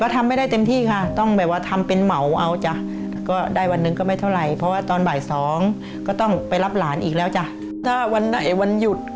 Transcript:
ถ้าวันไหนวันหยุด